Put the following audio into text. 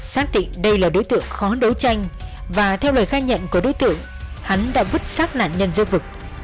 xác định đây là đối tượng khó đấu tranh và theo lời khai nhận của đối tượng hắn đã vứt sát nạn nhân dưới vực